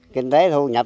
kinh tế thu nhập